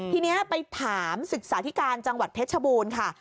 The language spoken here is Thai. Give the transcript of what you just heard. ทีเนี้ยไปถามศึกษาทิการจังหวัดพบูนค่ะ